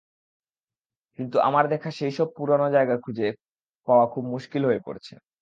কিন্তু আমার দেখা সেইসব পুরানো জায়গা এখন খুঁজে পাওয়া খুব মুস্কিল হয়ে পড়ছে।